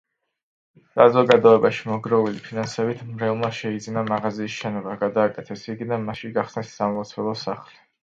საზოგადოებაში მოგროვილი ფინანსებით მრევლმა შეიძინა მაღაზიის შენობა, გადააკეთეს იგი და მასში გახსნეს სამლოცველო სახლი.